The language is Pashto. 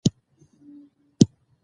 بادام د افغانستان د اقتصاد برخه ده.